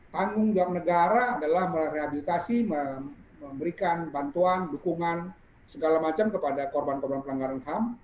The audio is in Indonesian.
tanggung jawab negara adalah merehabilitasi memberikan bantuan dukungan segala macam kepada korban korban pelanggaran ham